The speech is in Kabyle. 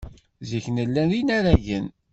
Zik nella d inaragen.